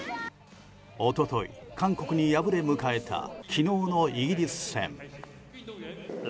おととい、韓国に敗れ迎えた昨日のイギリス戦。